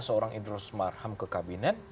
seorang idrus marham ke kabinet